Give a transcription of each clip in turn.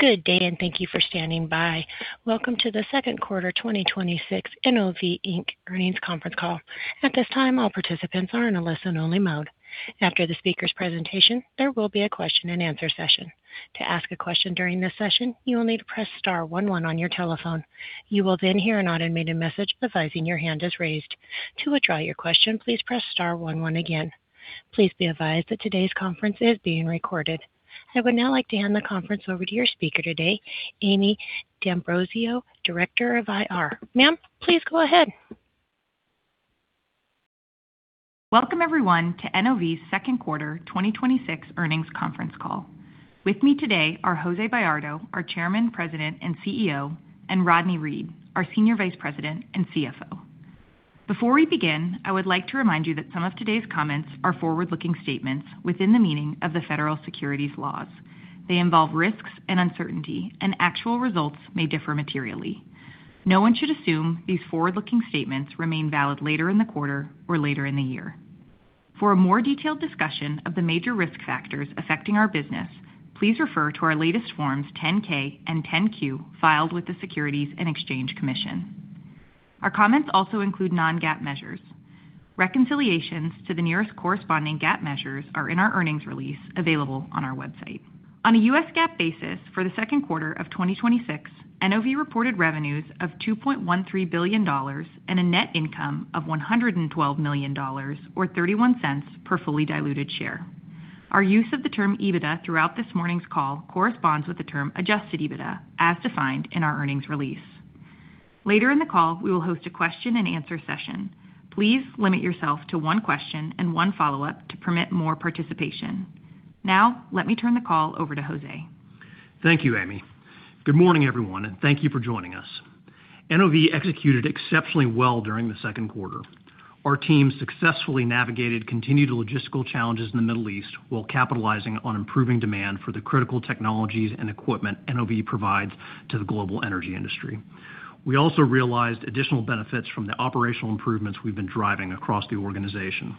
Good day. Thank you for standing by. Welcome to the second quarter 2026 NOV Inc. earnings conference call. At this time, all participants are in a listen-only mode. After the speaker's presentation, there will be a question-and-answer session. To ask a question during this session, you will need to press star one one on your telephone. You will hear an automated message advising your hand is raised. To withdraw your question, please press star one one again. Please be advised that today's conference is being recorded. I would now like to hand the conference over to your speaker today, Amie D'Ambrosio, Director of IR. Ma'am, please go ahead. Welcome everyone to NOV's second quarter 2026 earnings conference call. With me today are Jose Bayardo, our Chairman, President, and CEO, and Rodney Reed, our Senior Vice President and CFO. Before we begin, I would like to remind you that some of today's comments are forward-looking statements within the meaning of the federal securities laws. They involve risks and uncertainty. Actual results may differ materially. No one should assume these forward-looking statements remain valid later in the quarter or later in the year. For a more detailed discussion of the major risk factors affecting our business, please refer to our latest forms 10-K and 10-Q filed with the Securities and Exchange Commission. Our comments also include non-GAAP measures. Reconciliations to the nearest corresponding GAAP measures are in our earnings release available on our website. On a U.S. GAAP basis for the second quarter of 2026, NOV reported revenues of $2.13 billion and a net income of $112 million, or $0.31 per fully diluted share. Our use of the term EBITDA throughout this morning's call corresponds with the term adjusted EBITDA, as defined in our earnings release. Later in the call, we will host a question-and-answer session. Please limit yourself to one question and one follow-up to permit more participation. Let me turn the call over to Jose. Thank you, Amie. Good morning, everyone. Thank you for joining us. NOV executed exceptionally well during the second quarter. Our team successfully navigated continued logistical challenges in the Middle East while capitalizing on improving demand for the critical technologies and equipment NOV provides to the global energy industry. We also realized additional benefits from the operational improvements we've been driving across the organization.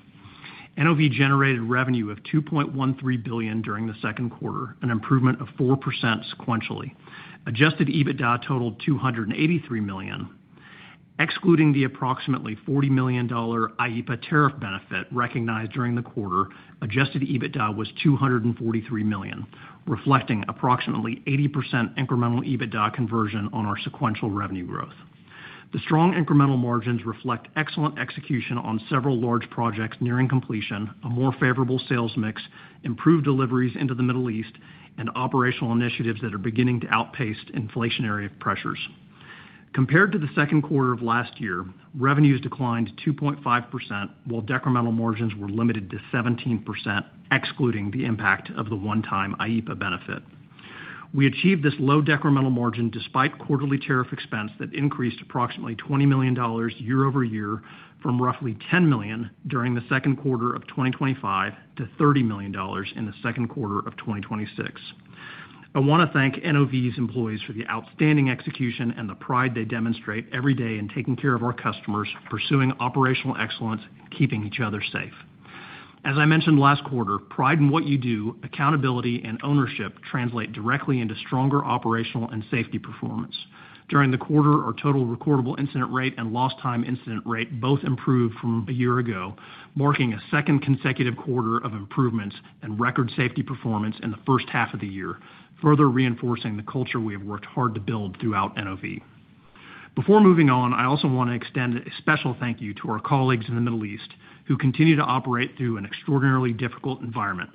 NOV generated revenue of $2.13 billion during the second quarter, an improvement of 4% sequentially. Adjusted EBITDA totaled $283 million. Excluding the approximately $40 million IEEPA tariff benefit recognized during the quarter, adjusted EBITDA was $243 million, reflecting approximately 80% incremental EBITDA conversion on our sequential revenue growth. The strong incremental margins reflect excellent execution on several large projects nearing completion, a more favorable sales mix, improved deliveries into the Middle East, and operational initiatives that are beginning to outpace inflationary pressures. Compared to the second quarter of last year, revenues declined 2.5%, while decremental margins were limited to 17%, excluding the impact of the one-time IEEPA benefit. We achieved this low decremental margin despite quarterly tariff expense that increased approximately $20 million year-over-year from roughly $10 million during the second quarter of 2025 to $30 million in the second quarter of 2026. I want to thank NOV's employees for the outstanding execution and the pride they demonstrate every day in taking care of our customers, pursuing operational excellence, and keeping each other safe. As I mentioned last quarter, pride in what you do, accountability, and ownership translate directly into stronger operational and safety performance. During the quarter, our total recordable incident rate and lost time incident rate both improved from a year ago, marking a second consecutive quarter of improvements and record safety performance in the first half of the year, further reinforcing the culture we have worked hard to build throughout NOV. Before moving on, I also want to extend a special thank you to our colleagues in the Middle East who continue to operate through an extraordinarily difficult environment.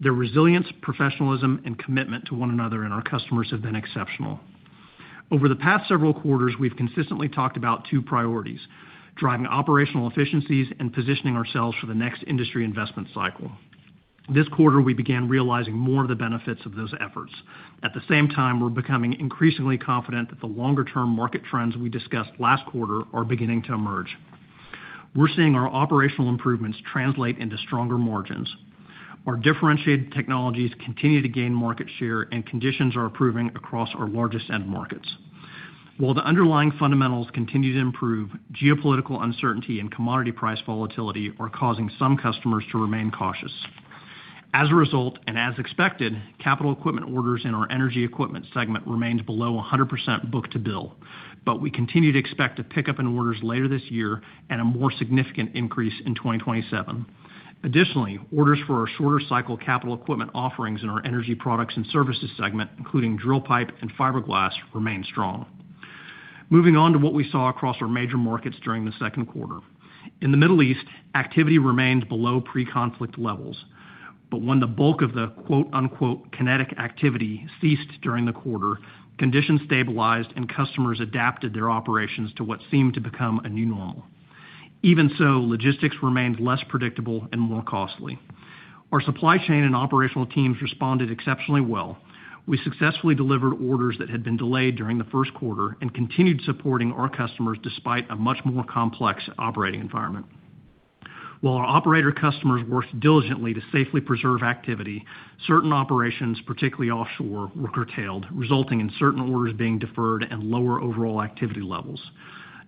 Their resilience, professionalism, and commitment to one another and our customers have been exceptional. Over the past several quarters, we've consistently talked about two priorities: driving operational efficiencies and positioning ourselves for the next industry investment cycle. This quarter, we began realizing more of the benefits of those efforts. At the same time, we're becoming increasingly confident that the longer-term market trends we discussed last quarter are beginning to emerge. We're seeing our operational improvements translate into stronger margins. Our differentiated technologies continue to gain market share, and conditions are improving across our largest end markets. While the underlying fundamentals continue to improve, geopolitical uncertainty and commodity price volatility are causing some customers to remain cautious. As a result, and as expected, capital equipment orders in our Energy Equipment segment remained below 100% book-to-bill. We continue to expect a pickup in orders later this year and a more significant increase in 2027. Additionally, orders for our shorter cycle capital equipment offerings in our Energy Products and Services segment, including drill pipe and fiberglass, remain strong. Moving on to what we saw across our major markets during the second quarter. In the Middle East, activity remained below pre-conflict levels. When the bulk of the "kinetic activity" ceased during the quarter, conditions stabilized and customers adapted their operations to what seemed to become a new normal. Even so, logistics remained less predictable and more costly. Our supply chain and operational teams responded exceptionally well. We successfully delivered orders that had been delayed during the first quarter and continued supporting our customers despite a much more complex operating environment. While our operator customers worked diligently to safely preserve activity, certain operations, particularly offshore, were curtailed, resulting in certain orders being deferred and lower overall activity levels.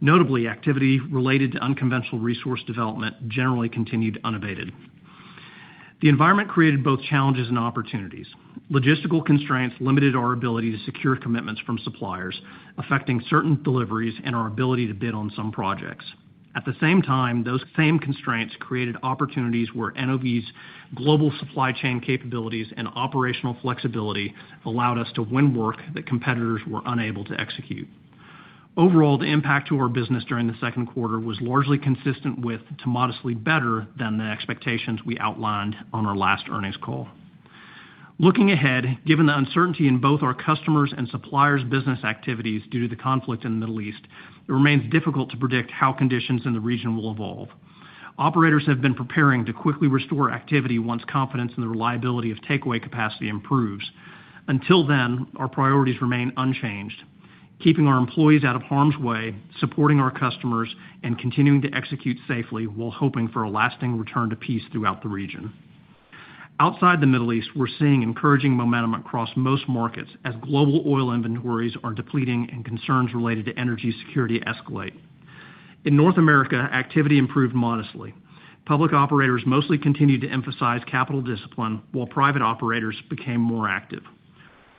Notably, activity related to unconventional resource development generally continued unabated. The environment created both challenges and opportunities. Logistical constraints limited our ability to secure commitments from suppliers, affecting certain deliveries and our ability to bid on some projects. At the same time, those same constraints created opportunities where NOV's global supply chain capabilities and operational flexibility allowed us to win work that competitors were unable to execute. Overall, the impact to our business during the second quarter was largely consistent with, to modestly better than the expectations we outlined on our last earnings call. Looking ahead, given the uncertainty in both our customers' and suppliers' business activities due to the conflict in the Middle East, it remains difficult to predict how conditions in the region will evolve. Operators have been preparing to quickly restore activity once confidence in the reliability of takeaway capacity improves. Until then, our priorities remain unchanged, keeping our employees out of harm's way, supporting our customers, and continuing to execute safely while hoping for a lasting return to peace throughout the region. Outside the Middle East, we're seeing encouraging momentum across most markets as global oil inventories are depleting and concerns related to energy security escalate. In North America, activity improved modestly. Public operators mostly continued to emphasize capital discipline while private operators became more active.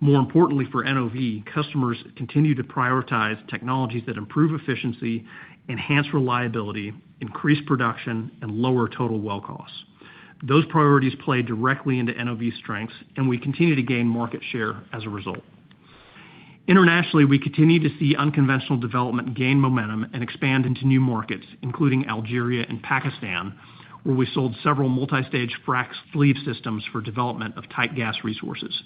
More importantly for NOV, customers continued to prioritize technologies that improve efficiency, enhance reliability, increase production, and lower total well costs. Those priorities play directly into NOV's strengths, and we continue to gain market share as a result. Internationally, we continue to see unconventional development gain momentum and expand into new markets, including Algeria and Pakistan, where we sold several multi-stage frac sleeve systems for development of tight gas resources.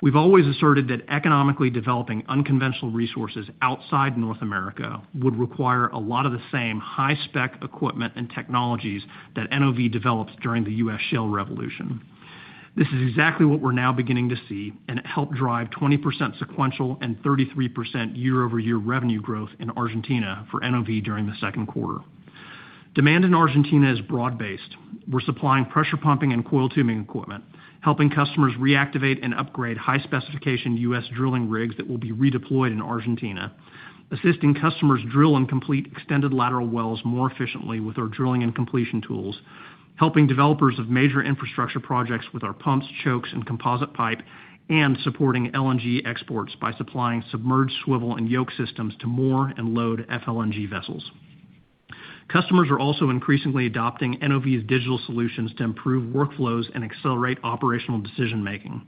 We've always asserted that economically developing unconventional resources outside North America would require a lot of the same high-spec equipment and technologies that NOV developed during the U.S. shale revolution. This is exactly what we're now beginning to see, it helped drive 20% sequential and 33% year-over-year revenue growth in Argentina for NOV during the second quarter. Demand in Argentina is broad-based. We're supplying pressure pumping and coil tubing equipment, helping customers reactivate and upgrade high-specification U.S. drilling rigs that will be redeployed in Argentina, assisting customers drill and complete extended lateral wells more efficiently with our drilling and completion tools, helping developers of major infrastructure projects with our pumps, chokes, and composite pipe, and supporting LNG exports by supplying submerged swivel and yoke systems to moor and load FLNG vessels. Customers are also increasingly adopting NOV's digital solutions to improve workflows and accelerate operational decision-making.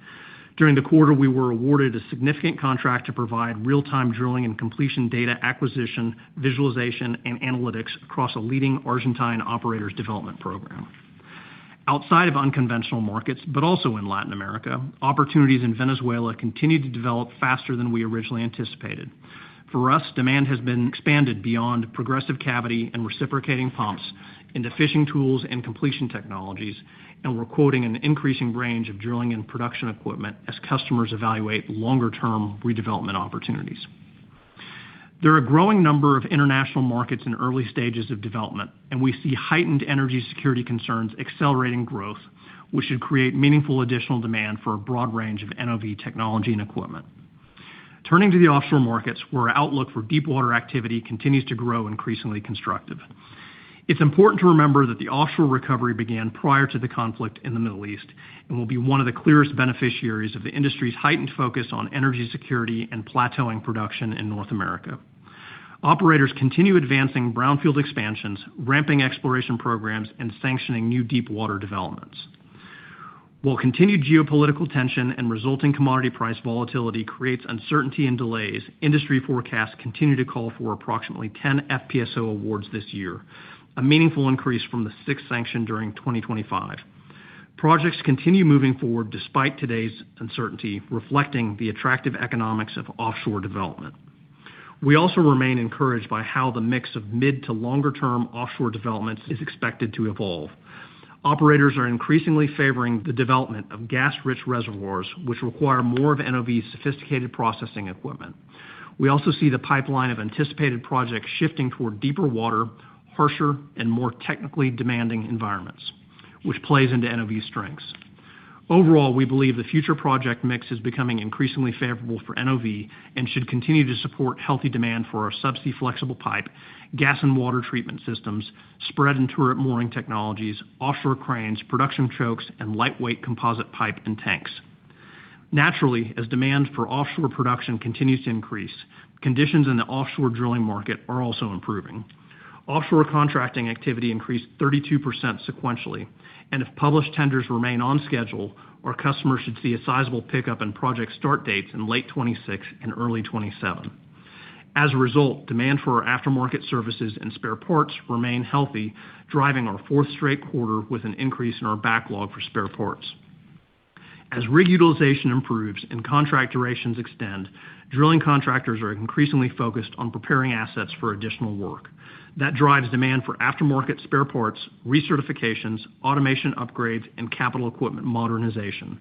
During the quarter, we were awarded a significant contract to provide real-time drilling and completion data acquisition, visualization, and analytics across a leading Argentine operator's development program. Outside of unconventional markets, also in Latin America, opportunities in Venezuela continue to develop faster than we originally anticipated. For us, demand has been expanded beyond progressive cavity and reciprocating pumps into fishing tools and completion technologies, we're quoting an increasing range of drilling and production equipment as customers evaluate longer-term redevelopment opportunities. There are a growing number of international markets in the early stages of development, we see heightened energy security concerns accelerating growth, which should create meaningful additional demand for a broad range of NOV technology and equipment. Turning to the offshore markets, where outlook for deepwater activity continues to grow increasingly constructive. It's important to remember that the offshore recovery began prior to the conflict in the Middle East and will be one of the clearest beneficiaries of the industry's heightened focus on energy security and plateauing production in North America. Operators continue advancing brownfield expansions, ramping exploration programs, and sanctioning new deepwater developments. While continued geopolitical tension and resulting commodity price volatility creates uncertainty and delays, industry forecasts continue to call for approximately 10 FPSO awards this year, a meaningful increase from the six sanctioned during 2025. Projects continue moving forward despite today's uncertainty, reflecting the attractive economics of offshore development. We also remain encouraged by how the mix of mid to longer-term offshore developments is expected to evolve. Operators are increasingly favoring the development of gas-rich reservoirs, which require more of NOV's sophisticated processing equipment. We also see the pipeline of anticipated projects shifting toward deeper water, harsher, and more technically demanding environments, which plays into NOV's strengths. If published tenders remain on schedule, our customers should see a sizable pickup in project start dates in late 2026 and early 2027. Overall, we believe the future project mix is becoming increasingly favorable for NOV and should continue to support healthy demand for our subsea flexible pipe, gas and water treatment systems, spread and turret mooring technologies, offshore cranes, production chokes, and lightweight composite pipe and tanks. Naturally, as demand for offshore production continues to increase, conditions in the offshore drilling market are also improving. Offshore contracting activity increased 32% sequentially. As a result, demand for our aftermarket services and spare parts remain healthy, driving our fourth straight quarter with an increase in our backlog for spare parts. As rig utilization improves and contract durations extend, drilling contractors are increasingly focused on preparing assets for additional work. That drives demand for aftermarket spare parts, recertifications, automation upgrades, and capital equipment modernization,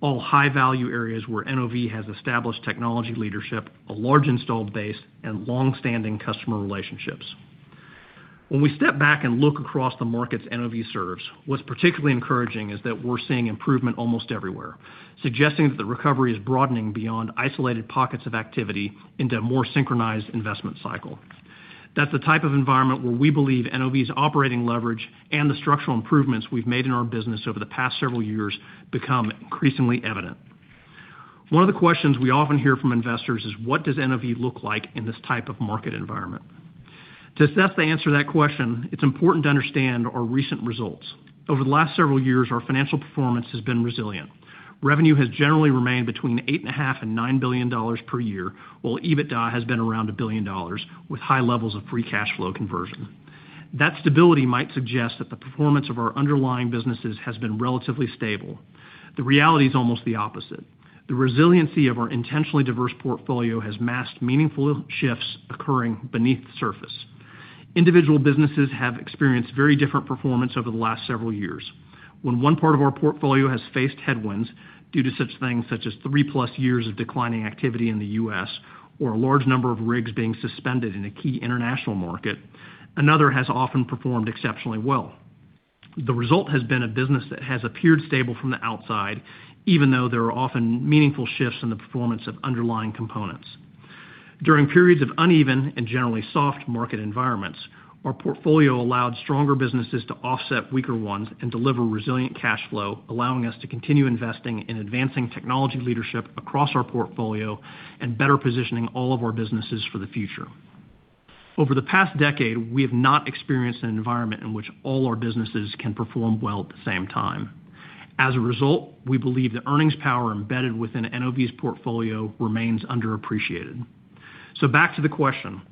all high-value areas where NOV has established technology leadership, a large installed base, and long-standing customer relationships. When we step back and look across the markets NOV serves, what's particularly encouraging is that we're seeing improvement almost everywhere, suggesting that the recovery is broadening beyond isolated pockets of activity into a more synchronized investment cycle. That's the type of environment where we believe NOV's operating leverage and the structural improvements we've made in our business over the past several years become increasingly evident. One of the questions we often hear from investors is: What does NOV look like in this type of market environment? To assess the answer to that question, it's important to understand our recent results. Over the last several years, our financial performance has been resilient. Revenue has generally remained between $8.5 billion and $9 billion per year, while EBITDA has been around $1 billion, with high levels of free cash flow conversion. That stability might suggest that the performance of our underlying businesses has been relatively stable. The reality is almost the opposite. The resiliency of our intentionally diverse portfolio has masked meaningful shifts occurring beneath the surface. Individual businesses have experienced very different performance over the last several years. When one part of our portfolio has faced headwinds due to such things such as three-plus years of declining activity in the U.S., or a large number of rigs being suspended in a key international market, another has often performed exceptionally well. The result has been a business that has appeared stable from the outside, even though there are often meaningful shifts in the performance of underlying components. During periods of uneven and generally soft market environments, our portfolio allowed stronger businesses to offset weaker ones and deliver resilient cash flow, allowing us to continue investing in advancing technology leadership across our portfolio and better positioning all of our businesses for the future. Over the past decade, we have not experienced an environment in which all our businesses can perform well at the same time. As a result, we believe the earnings power embedded within NOV's portfolio remains underappreciated. Back to the question: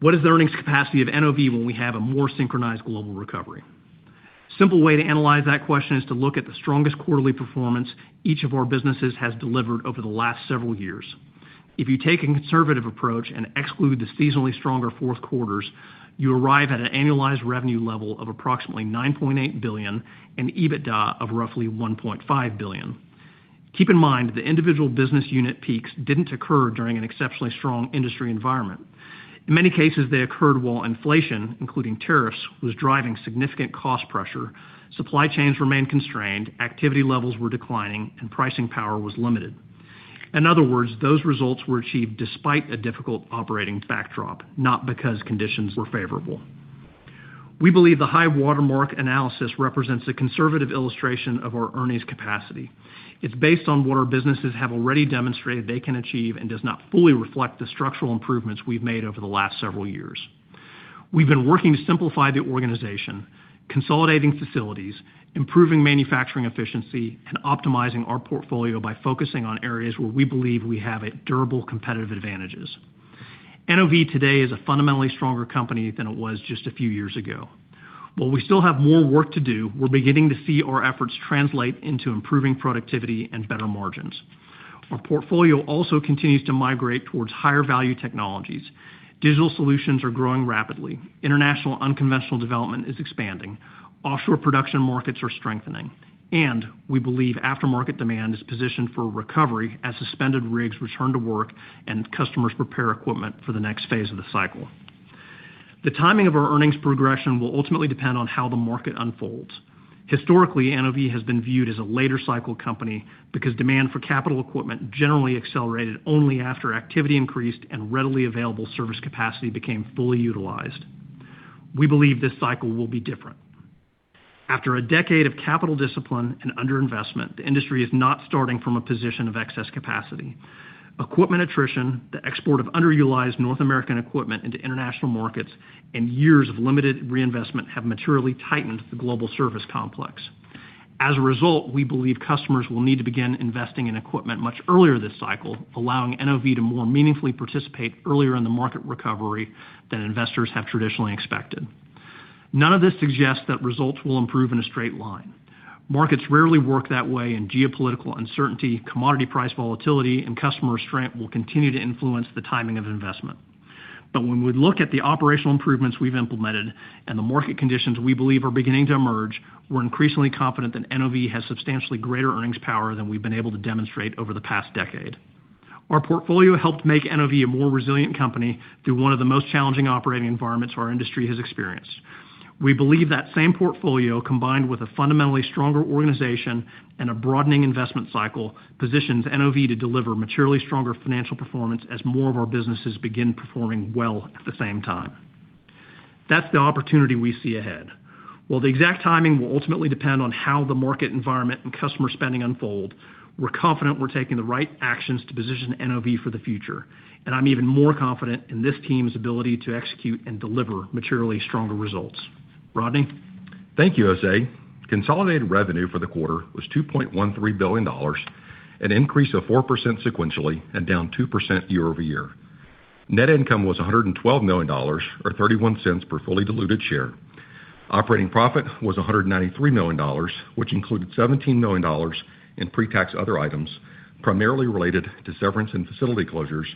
What is the earnings capacity of NOV when we have a more synchronized global recovery? Simple way to analyze that question is to look at the strongest quarterly performance each of our businesses has delivered over the last several years. If you take a conservative approach and exclude the seasonally stronger fourth quarters, you arrive at an annualized revenue level of approximately $9.8 billion and an EBITDA of roughly $1.5 billion. Keep in mind, the individual business unit peaks didn't occur during an exceptionally strong industry environment. In many cases, they occurred while inflation, including tariffs, was driving significant cost pressure, supply chains remained constrained, activity levels were declining, and pricing power was limited. In other words, those results were achieved despite a difficult operating backdrop, not because conditions were favorable. We believe the high-water mark analysis represents a conservative illustration of our earnings capacity. It's based on what our businesses have already demonstrated they can achieve and does not fully reflect the structural improvements we've made over the last several years. We've been working to simplify the organization, consolidating facilities, improving manufacturing efficiency, and optimizing our portfolio by focusing on areas where we believe we have durable competitive advantages. NOV today is a fundamentally stronger company than it was just a few years ago. While we still have more work to do, we're beginning to see our efforts translate into improving productivity and better margins. Our portfolio also continues to migrate towards higher-value technologies. Digital solutions are growing rapidly. International unconventional development is expanding. Offshore production markets are strengthening. We believe aftermarket demand is positioned for a recovery as suspended rigs return to work and customers prepare equipment for the next phase of the cycle. The timing of our earnings progression will ultimately depend on how the market unfolds. Historically, NOV has been viewed as a later cycle company because demand for capital equipment generally accelerated only after activity increased and readily available service capacity became fully utilized. We believe this cycle will be different. After a decade of capital discipline and underinvestment, the industry is not starting from a position of excess capacity. Equipment attrition, the export of underutilized North American equipment into international markets, and years of limited reinvestment have materially tightened the global service complex. As a result, we believe customers will need to begin investing in equipment much earlier this cycle, allowing NOV to more meaningfully participate earlier in the market recovery than investors have traditionally expected. None of this suggests that results will improve in a straight line. Markets rarely work that way, geopolitical uncertainty, commodity price volatility, and customer strength will continue to influence the timing of investment. When we look at the operational improvements we've implemented and the market conditions we believe are beginning to emerge, we're increasingly confident that NOV has substantially greater earnings power than we've been able to demonstrate over the past decade. Our portfolio helped make NOV a more resilient company through one of the most challenging operating environments our industry has experienced. We believe that same portfolio, combined with a fundamentally stronger organization and a broadening investment cycle, positions NOV to deliver materially stronger financial performance as more of our businesses begin performing well at the same time. That's the opportunity we see ahead. While the exact timing will ultimately depend on how the market environment and customer spending unfold, we're confident we're taking the right actions to position NOV for the future, and I'm even more confident in this team's ability to execute and deliver materially stronger results. Rodney? Thank you, Jose. Consolidated revenue for the quarter was $2.13 billion, an increase of 4% sequentially and down 2% year-over-year. Net income was $112 million, or $0.31 per fully diluted share. Operating profit was $193 million, which included $17 million in pre-tax other items, primarily related to severance and facility closures,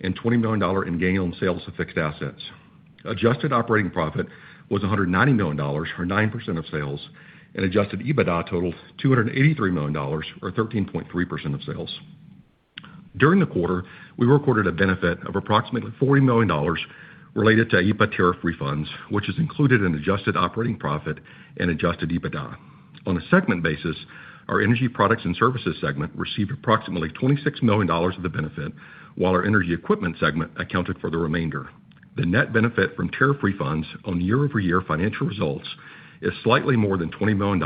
and $20 million in gain on sales of fixed assets. Adjusted operating profit was $190 million, or 9% of sales, and adjusted EBITDA totaled $283 million, or 13.3% of sales. During the quarter, we recorded a benefit of approximately $40 million related to IEEPA tariff refunds, which is included in adjusted operating profit and adjusted EBITDA. On a segment basis, our Energy Products and Services segment received approximately $26 million of the benefit, while our Energy Equipment segment accounted for the remainder. The net benefit from tariff refunds on year-over-year financial results is slightly more than $20 million,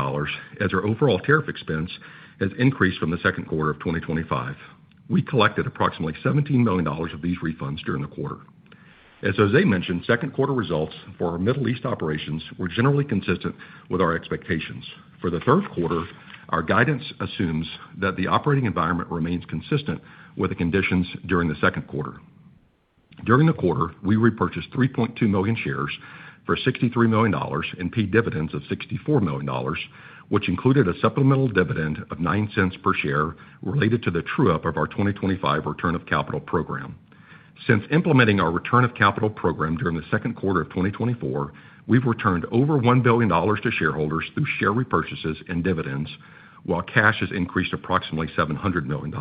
as our overall tariff expense has increased from the second quarter of 2025. We collected approximately $17 million of these refunds during the quarter. As Jose mentioned, second quarter results for our Middle East operations were generally consistent with our expectations. For the third quarter, our guidance assumes that the operating environment remains consistent with the conditions during the second quarter. During the quarter, we repurchased 3.2 million shares for $63 million and paid dividends of $64 million, which included a supplemental dividend of $0.09 per share related to the true up of our 2025 return of capital program. Since implementing our return of capital program during the second quarter of 2024, we've returned over $1 billion to shareholders through share repurchases and dividends, while cash has increased approximately $700 million.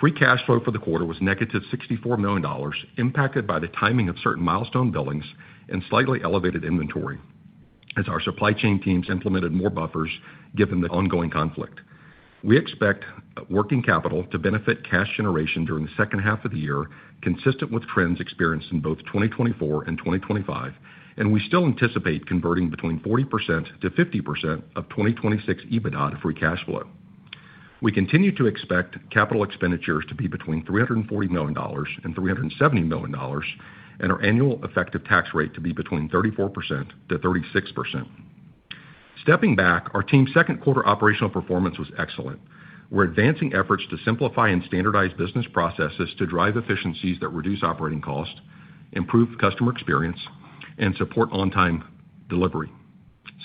Free cash flow for the quarter was negative $64 million, impacted by the timing of certain milestone billings and slightly elevated inventory as our supply chain teams implemented more buffers given the ongoing conflict. We expect working capital to benefit cash generation during the second half of the year, consistent with trends experienced in both 2024 and 2025, and we still anticipate converting between 40%-50% of 2026 EBITDA to free cash flow. We continue to expect capital expenditures to be between $340 million-$370 million, and our annual effective tax rate to be between 34%-36%. Stepping back, our team's second quarter operational performance was excellent. We're advancing efforts to simplify and standardize business processes to drive efficiencies that reduce operating costs, improve customer experience, and support on-time delivery.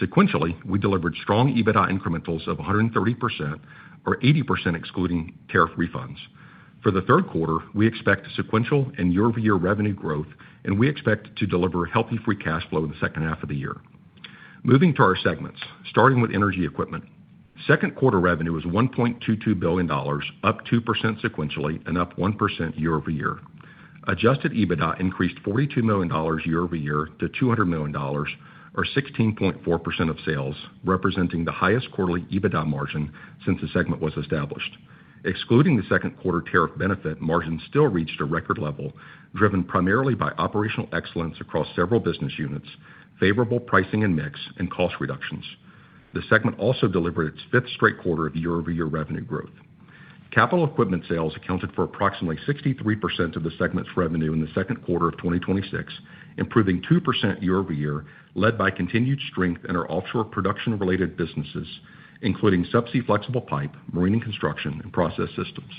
Sequentially, we delivered strong EBITDA incrementals of 130%, or 80% excluding tariff refunds. For the third quarter, we expect sequential and year-over-year revenue growth, and we expect to deliver healthy free cash flow in the second half of the year. Moving to our segments, starting with Energy Equipment. Second quarter revenue was $1.22 billion, up 2% sequentially and up 1% year-over-year. Adjusted EBITDA increased $42 million year-over-year to $200 million, or 16.4% of sales, representing the highest quarterly EBITDA margin since the segment was established. Excluding the second quarter tariff benefit, margin still reached a record level, driven primarily by operational excellence across several business units, favorable pricing and mix, and cost reductions. The segment also delivered its fifth straight quarter of year-over-year revenue growth. Capital equipment sales accounted for approximately 63% of the segment's revenue in the second quarter of 2026, improving 2% year-over-year, led by continued strength in our offshore production-related businesses, including subsea flexible pipe, marine and construction, and process systems.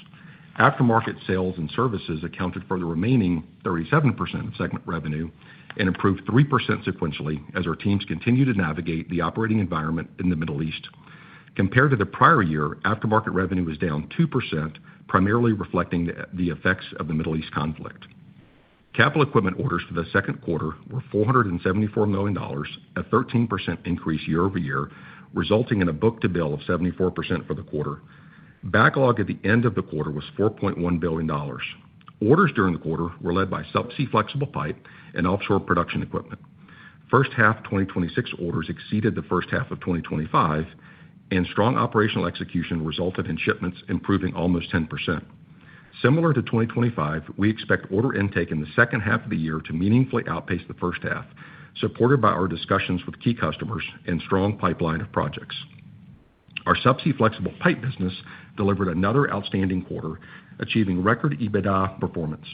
Aftermarket sales and services accounted for the remaining 37% of segment revenue and improved 3% sequentially as our teams continue to navigate the operating environment in the Middle East. Compared to the prior year, aftermarket revenue was down 2%, primarily reflecting the effects of the Middle East conflict. Capital equipment orders for the second quarter were $474 million, a 13% increase year-over-year, resulting in a book-to-bill of 74% for the quarter. Backlog at the end of the quarter was $4.1 billion. Orders during the quarter were led by subsea flexible pipe and offshore production equipment. First half 2026 orders exceeded the first half of 2025. Strong operational execution resulted in shipments improving almost 10%. Similar to 2025, we expect order intake in the second half of the year to meaningfully outpace the first half, supported by our discussions with key customers and strong pipeline of projects. Our subsea flexible pipe business delivered another outstanding quarter, achieving record EBITDA performance.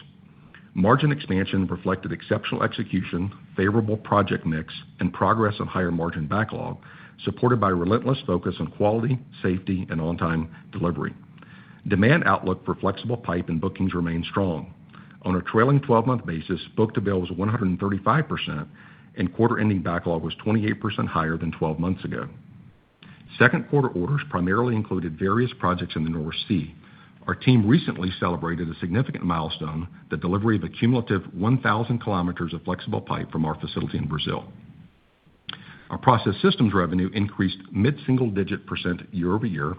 Margin expansion reflected exceptional execution, favorable project mix, and progress on higher-margin backlog, supported by relentless focus on quality, safety, and on-time delivery. Demand outlook for flexible pipe and bookings remain strong. On a trailing 12-month basis, book-to-bill was 135%, and quarter-ending backlog was 28% higher than 12 months ago. Second quarter orders primarily included various projects in the North Sea. Our team recently celebrated a significant milestone, the delivery of a cumulative 1,000 km of flexible pipe from our facility in Brazil. Our process systems revenue increased mid-single digit percent year-over-year,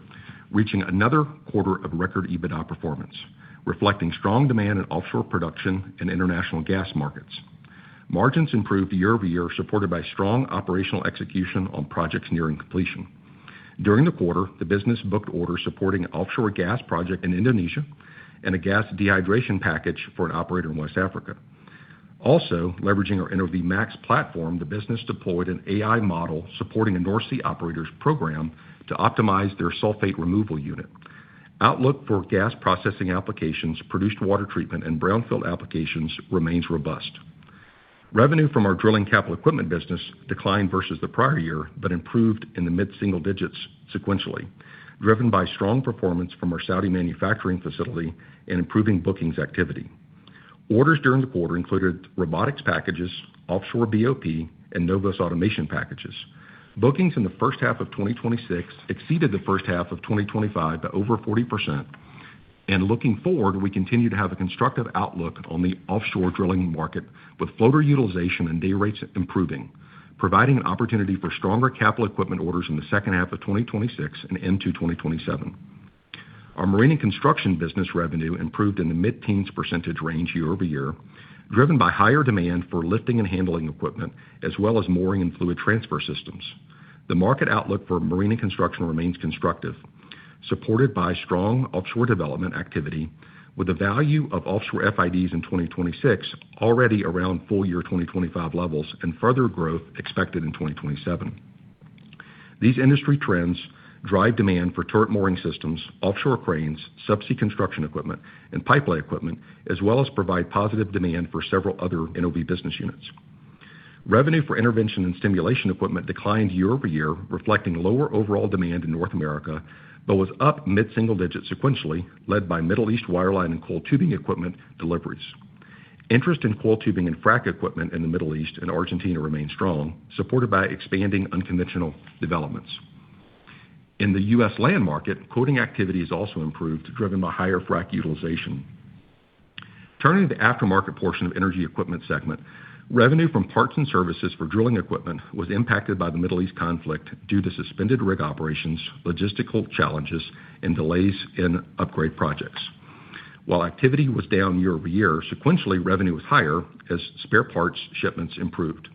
reaching another quarter of record EBITDA performance, reflecting strong demand in offshore production and international gas markets. Margins improved year-over-year, supported by strong operational execution on projects nearing completion. During the quarter, the business booked orders supporting an offshore gas project in Indonesia and a gas dehydration package for an operator in West Africa. Also, leveraging our NOV Max Platform, the business deployed an AI model supporting a North Sea operator's program to optimize their sulfate removal unit. Outlook for gas processing applications, produced water treatment, and brownfield applications remains robust. Revenue from our drilling capital equipment business declined versus the prior year, but improved in the mid-single digits sequentially, driven by strong performance from our Saudi manufacturing facility and improving bookings activity. Orders during the quarter included robotics packages, offshore BOP, and NOVOS automation packages. Bookings in the first half of 2026 exceeded the first half of 2025 by over 40%. Looking forward, we continue to have a constructive outlook on the offshore drilling market, with floater utilization and day rates improving, providing an opportunity for stronger capital equipment orders in the second half of 2026 and into 2027. Our Marine and Construction business revenue improved in the mid-teens percentage range year-over-year, driven by higher demand for lifting and handling equipment, as well as mooring and fluid transfer systems. The market outlook for Marine and Construction remains constructive, supported by strong offshore development activity with a value of offshore FIDs in 2026 already around full year 2025 levels and further growth expected in 2027. These industry trends drive demand for turret mooring systems, offshore cranes, subsea construction equipment, and pipelay equipment, as well as provide positive demand for several other NOV business units. Revenue for intervention and stimulation equipment declined year-over-year, reflecting lower overall demand in North America, but was up mid-single digit sequentially, led by Middle East wireline and coiled tubing equipment deliveries. Interest in coiled tubing and frac equipment in the Middle East and Argentina remains strong, supported by expanding unconventional developments. In the U.S. land market, quoting activities also improved, driven by higher frac utilization. Turning to the aftermarket portion of Energy Equipment segment, revenue from parts and services for drilling equipment was impacted by the Middle East conflict due to suspended rig operations, logistical challenges, and delays in upgrade projects. While activity was down year-over-year, sequentially revenue was higher as spare parts shipments improved.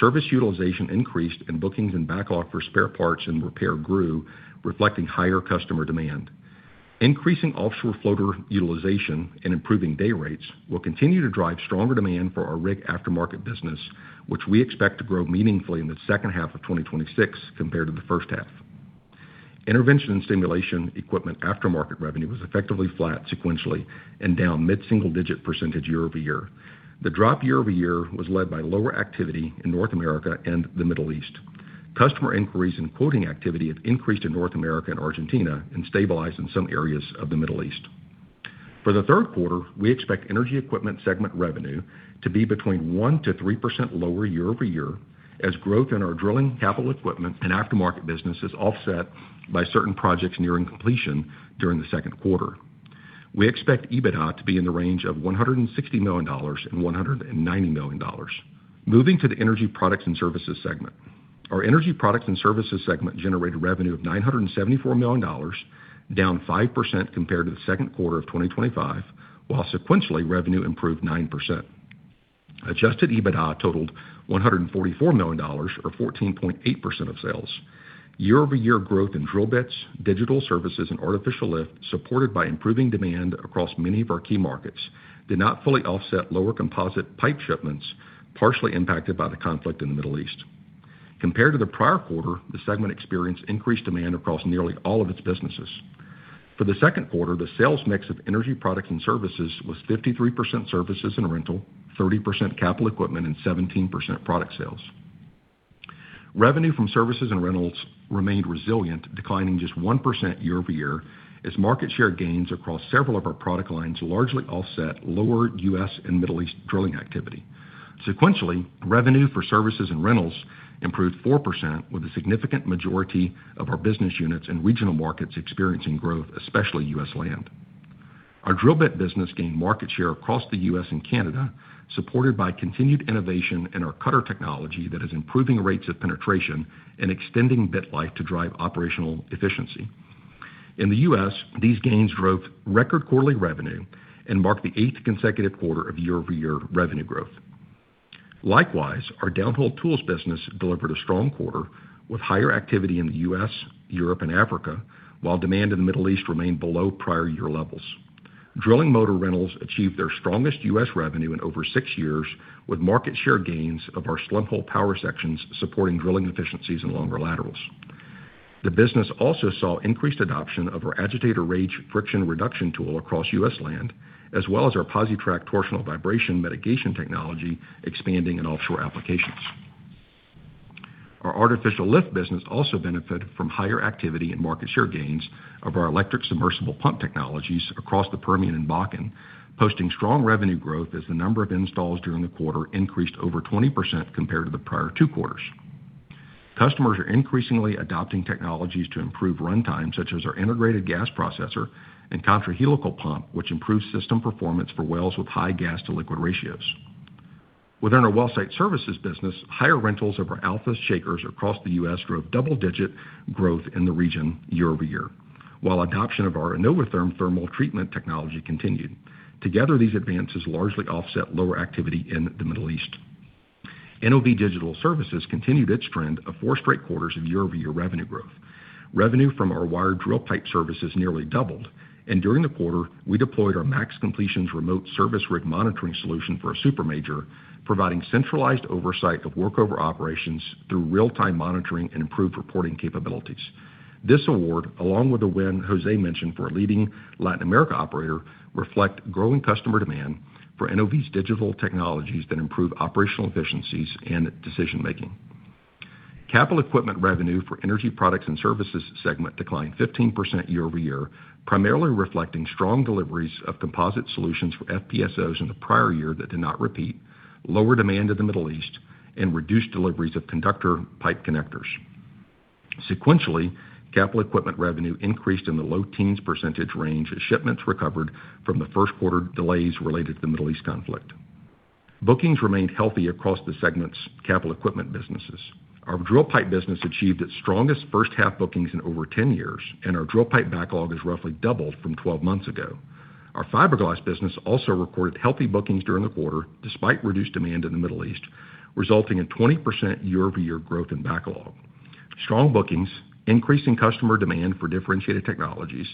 Service utilization increased. Bookings and backlog for spare parts and repair grew, reflecting higher customer demand. Increasing offshore floater utilization and improving day rates will continue to drive stronger demand for our rig aftermarket business, which we expect to grow meaningfully in the second half of 2026 compared to the first half. Intervention and stimulation equipment aftermarket revenue was effectively flat sequentially and down mid-single digit percentage year-over-year. The drop year-over-year was led by lower activity in North America and the Middle East. Customer inquiries and quoting activity have increased in North America and Argentina and stabilized in some areas of the Middle East. For the third quarter, we expect Energy Equipment segment revenue to be between 1%-3% lower year-over-year, as growth in our drilling capital equipment and aftermarket business is offset by certain projects nearing completion during the second quarter. We expect EBITDA to be in the range of $160 million-$190 million. Moving to the Energy Products and Services segment. Our Energy Products and Services segment generated revenue of $974 million, down 5% compared to the second quarter of 2025, while sequentially, revenue improved 9%. Adjusted EBITDA totaled $144 million or 14.8% of sales. Year-over-year growth in drill bits, Digital Services, and artificial lift, supported by improving demand across many of our key markets, did not fully offset lower composite pipe shipments, partially impacted by the conflict in the Middle East. Compared to the prior quarter, the segment experienced increased demand across nearly all of its businesses. For the second quarter, the sales mix of Energy Products and Services was 53% services and rental, 30% capital equipment, and 17% product sales. Revenue from services and rentals remained resilient, declining just 1% year-over-year as market share gains across several of our product lines largely offset lower U.S. and Middle East drilling activity. Sequentially, revenue for services and rentals improved 4% with a significant majority of our business units and regional markets experiencing growth, especially U.S. land. Our drill bit business gained market share across the U.S. and Canada, supported by continued innovation in our cutter technology that is improving rates of penetration and extending bit life to drive operational efficiency. In the U.S., these gains drove record quarterly revenue and marked the eighth consecutive quarter of year-over-year revenue growth. Likewise, our downhole tools business delivered a strong quarter with higher activity in the U.S., Europe, and Africa, while demand in the Middle East remained below prior year levels. Drilling motor rentals achieved their strongest U.S. revenue in over six years with market share gains of our slim hole power sections supporting drilling efficiencies and longer laterals. The business also saw increased adoption of our Agitator Rage friction reduction tool across U.S. land, as well as our PosiTrak torsional vibration mitigation technology expanding in offshore applications. Our artificial lift business also benefited from higher activity and market share gains of our electric submersible pump technologies across the Permian and Bakken, posting strong revenue growth as the number of installs during the quarter increased over 20% compared to the prior two quarters. Customers are increasingly adopting technologies to improve runtime, such as our Integrated Gas Processor and Contra-Helical Pump, which improves system performance for wells with high gas-to-liquid ratios. Within our well site services business, higher rentals of our Alpha Shakers across the U.S. drove double-digit growth in the region year-over-year, while adoption of our iNOVaTHERM thermal treatment technology continued. Together, these advances largely offset lower activity in the Middle East. NOV Digital Services continued its trend of four straight quarters of year-over-year revenue growth. Revenue from our wired drill pipe services nearly doubled, and during the quarter, we deployed our Max Completions remote service rig monitoring solution for a super major, providing centralized oversight of workover operations through real-time monitoring and improved reporting capabilities. This award, along with the win Jose mentioned for a leading Latin America operator, reflect growing customer demand for NOV's digital technologies that improve operational efficiencies and decision-making. Capital equipment revenue for Energy Products and Services segment declined 15% year-over-year, primarily reflecting strong deliveries of composite solutions for FPSOs in the prior year that did not repeat, lower demand in the Middle East, and reduced deliveries of conductor pipe connectors. Sequentially, capital equipment revenue increased in the low teens percentage range as shipments recovered from the first quarter delays related to the Middle East conflict. Bookings remained healthy across the segment's capital equipment businesses. Our drill pipe business achieved its strongest first half bookings in over 10 years, and our drill pipe backlog is roughly doubled from 12 months ago. Our fiberglass business also recorded healthy bookings during the quarter, despite reduced demand in the Middle East, resulting in 20% year-over-year growth in backlog. Strong bookings, increasing customer demand for differentiated technologies,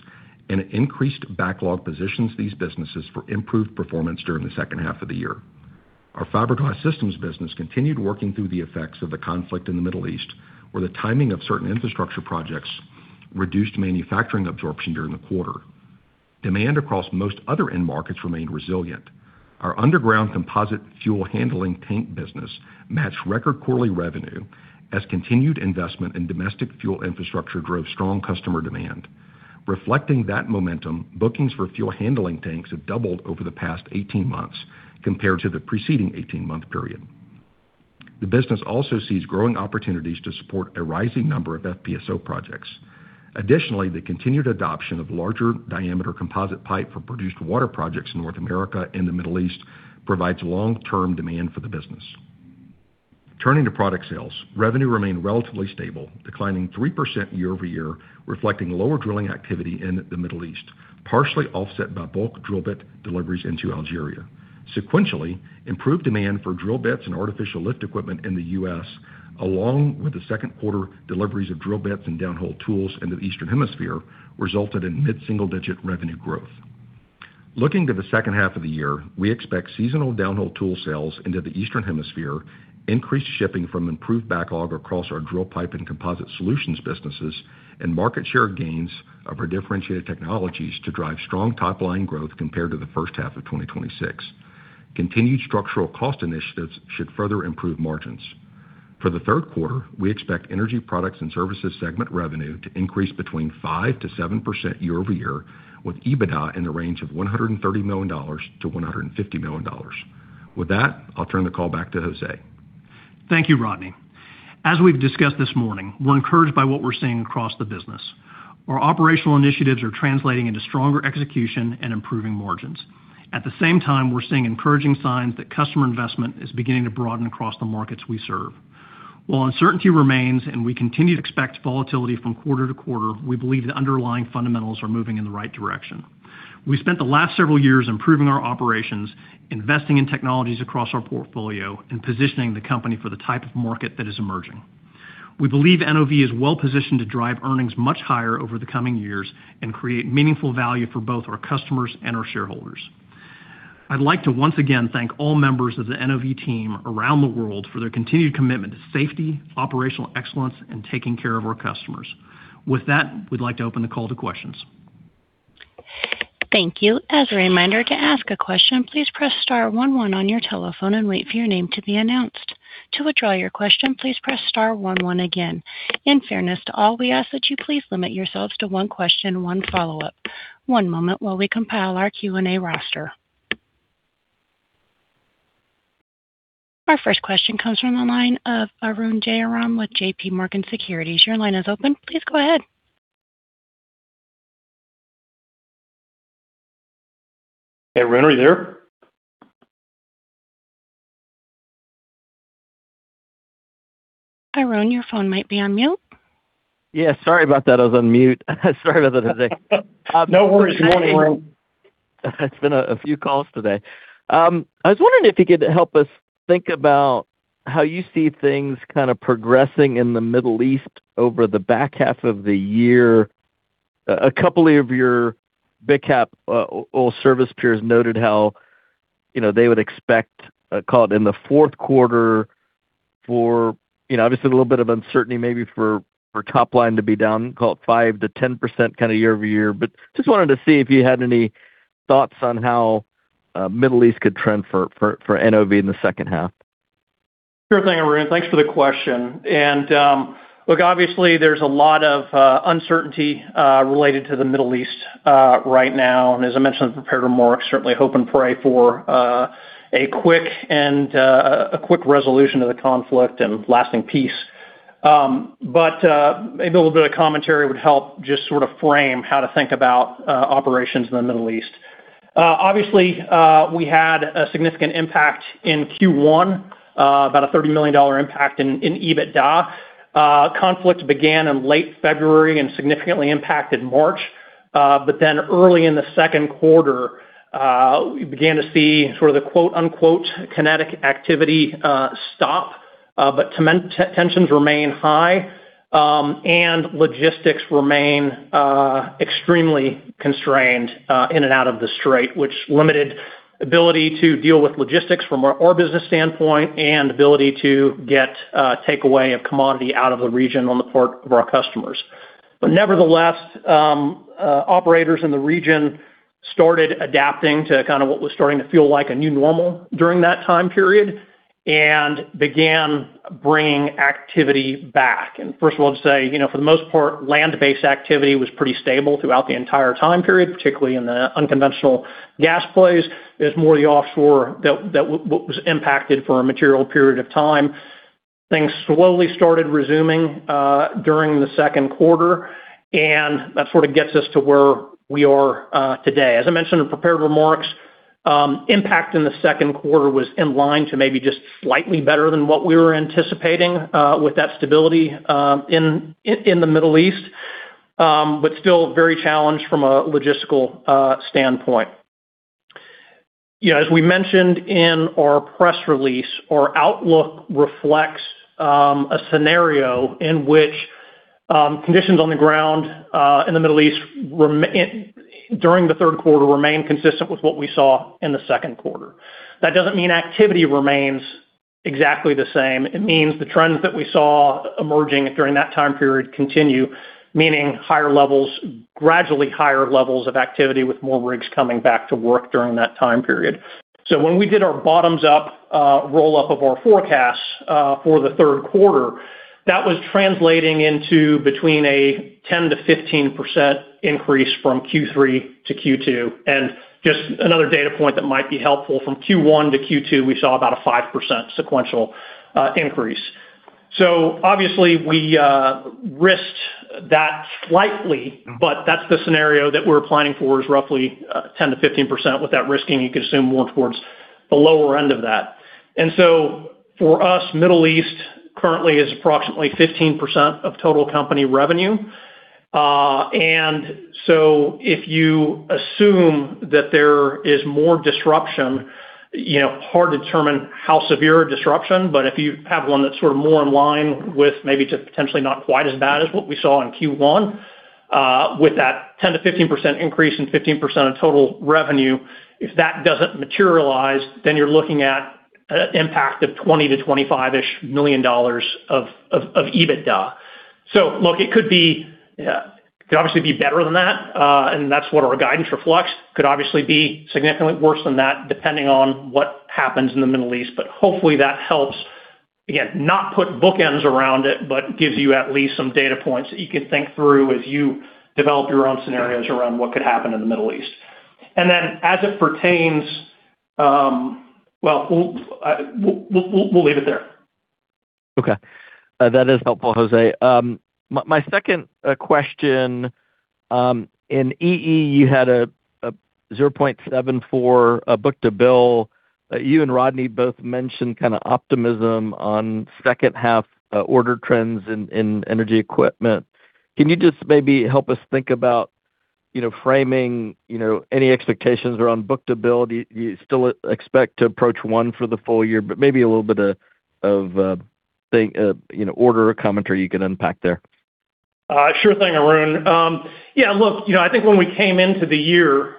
and increased backlog positions these businesses for improved performance during the second half of the year. Our fiberglass systems business continued working through the effects of the conflict in the Middle East, where the timing of certain infrastructure projects reduced manufacturing absorption during the quarter. Demand across most other end markets remained resilient. Our underground composite fuel handling tank business matched record quarterly revenue as continued investment in domestic fuel infrastructure drove strong customer demand. Reflecting that momentum, bookings for fuel handling tanks have doubled over the past 18 months compared to the preceding 18-month period. The business also sees growing opportunities to support a rising number of FPSO projects. Additionally, the continued adoption of larger diameter composite pipe for produced water projects in North America and the Middle East provides long-term demand for the business. Turning to product sales, revenue remained relatively stable, declining 3% year-over-year, reflecting lower drilling activity in the Middle East, partially offset by bulk drill bit deliveries into Algeria. Sequentially, improved demand for drill bits and artificial lift equipment in the U.S., along with the second quarter deliveries of drill bits and downhole tools into the Eastern Hemisphere, resulted in mid-single-digit revenue growth. Looking to the second half of the year, we expect seasonal downhole tool sales into the Eastern Hemisphere, increased shipping from improved backlog across our drill pipe and composite solutions businesses, and market share gains of our differentiated technologies to drive strong top-line growth compared to the first half of 2026. Continued structural cost initiatives should further improve margins. For the third quarter, we expect Energy Products and Services segment revenue to increase between 5%-7% year-over-year, with EBITDA in the range of $130 million-$150 million. With that, I'll turn the call back to José. Thank you, Rodney. As we've discussed this morning, we're encouraged by what we're seeing across the business. Our operational initiatives are translating into stronger execution and improving margins. At the same time, we're seeing encouraging signs that customer investment is beginning to broaden across the markets we serve. While uncertainty remains and we continue to expect volatility from quarter to quarter, we believe the underlying fundamentals are moving in the right direction. We spent the last several years improving our operations, investing in technologies across our portfolio, and positioning the company for the type of market that is emerging. We believe NOV is well-positioned to drive earnings much higher over the coming years and create meaningful value for both our customers and our shareholders. I'd like to once again thank all members of the NOV team around the world for their continued commitment to safety, operational excellence, and taking care of our customers. With that, we'd like to open the call to questions. Thank you. As a reminder, to ask a question, please press star one one on your telephone and wait for your name to be announced. To withdraw your question, please press star one one again. In fairness to all, we ask that you please limit yourselves to one question, one follow-up. One moment while we compile our Q&A roster. Our first question comes from the line of Arun Jayaram with JPMorgan Securities. Your line is open. Please go ahead. Hey, Arun, are you there? Arun, your phone might be on mute. Yeah, sorry about that. I was on mute. Sorry about that. No worries. It's been a few calls today. I was wondering if you could help us think about how you see things kind of progressing in the Middle East over the back half of the year. A couple of your big cap oil service peers noted how they would expect, call it, in the fourth quarter for—obviously, a little bit of uncertainty maybe for top line to be down, call it 5%-10% year-over-year. Just wanted to see if you had any thoughts on how Middle East could trend for NOV in the second half. Sure thing, Arun. Thanks for the question. Look, obviously, there's a lot of uncertainty related to the Middle East right now. As I mentioned in the prepared remarks, certainly hope and pray for a quick resolution to the conflict and lasting peace. Maybe a little bit of commentary would help just sort of frame how to think about operations in the Middle East. Obviously, we had a significant impact in Q1, about a $30 million impact in EBITDA. Conflict began in late February and significantly impacted March. Then early in the second quarter, we began to see sort of the quote unquote, "kinetic activity" stop. Tensions remain high, and logistics remain extremely constrained in and out of the Strait, which limited ability to deal with logistics from our business standpoint and ability to get takeaway of commodity out of the region on the part of our customers. Nevertheless, operators in the region started adapting to kind of what was starting to feel like a new normal during that time period and began bringing activity back. First of all, just say, for the most part, land-based activity was pretty stable throughout the entire time period, particularly in the unconventional gas plays. It was more the offshore that was impacted for a material period of time. Things slowly started resuming during the second quarter, and that sort of gets us to where we are today. As I mentioned in prepared remarks, impact in the second quarter was in line to maybe just slightly better than what we were anticipating with that stability in the Middle East, but still very challenged from a logistical standpoint. As we mentioned in our press release, our outlook reflects a scenario in which conditions on the ground in the Middle East, during the third quarter, remain consistent with what we saw in the second quarter. That doesn't mean activity remains exactly the same. It means the trends that we saw emerging during that time period continue, meaning gradually higher levels of activity with more rigs coming back to work during that time period. When we did our bottoms-up roll-up of our forecasts for the third quarter, that was translating into between a 10%-15% increase from Q3 to Q2. Just another data point that might be helpful, from Q1 to Q2, we saw about a 5% sequential increase. Obviously, we risked that slightly, but that's the scenario that we're planning for, is roughly 10%-15%. With that risking, you could assume more towards the lower end of that. For us, Middle East currently is approximately 15% of total company revenue. If you assume that there is more disruption, hard to determine how severe a disruption, but if you have one that's sort of more in line with maybe potentially not quite as bad as what we saw in Q1, with that 10%-15% increase and 15% of total revenue, if that doesn't materialize, then you're looking at an impact of $20 million-$25 million of EBITDA. Look, it could obviously be better than that, and that's what our guidance reflects. Could obviously be significantly worse than that, depending on what happens in the Middle East. Hopefully, that helps, again, not put bookends around it, but gives you at least some data points that you can think through as you develop your own scenarios around what could happen in the Middle East. Well, we'll leave it there. Okay. That is helpful, Jose. My second question. In EE, you had a 0.74 book-to-bill. You and Rodney both mentioned kind of optimism on second half order trends in Energy Equipment. Can you just maybe help us think about framing any expectations around book-to-bill? Do you still expect to approach one for the full year? Maybe a little bit of order or commentary you can unpack there. Sure thing, Arun. I think when we came into the year,